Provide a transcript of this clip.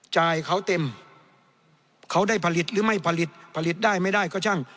จ่ายเขาเต็มเขาได้ผลิตหรือไม่ผลิตผลิตได้ไม่ได้ก็ช่าง